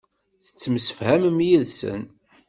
Ttemsefhament yid-sen.